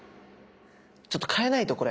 ちょっと変えないとこれ。